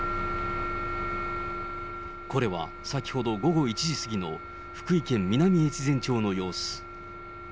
これは先ほど午後１時過ぎの福井県南越前町の様子。